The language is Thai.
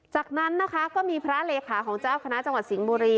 จากนั้นนะคะก็มีพระเลขาของเจ้าคณะจังหวัดสิงห์บุรี